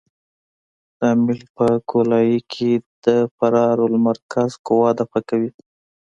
دا میل په ګولایي کې د فرار المرکز قوه دفع کوي